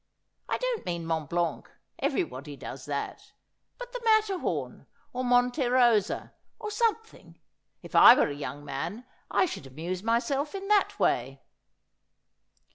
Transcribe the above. ' I don't mean Mont Blanc — everybody does that — but the Matterhorn, or Monte Rosa, or something. If I were a young man I should amuse myself in that way.'